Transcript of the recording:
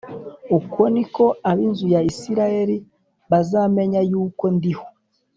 Uko ni ko ab inzu ya Isirayeli bazamenya yuko ndiho